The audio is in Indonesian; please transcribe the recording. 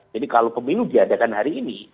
jadi kalau pemilu diadakan hari ini